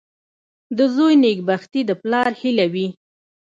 • د زوی نېکبختي د پلار هیله وي.